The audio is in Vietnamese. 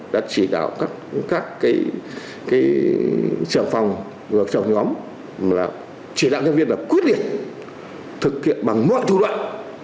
đã chỉ đạo các trợ phòng trợ nhóm chỉ đạo nhân viên là quyết định thực hiện bằng mọi thủ đoạn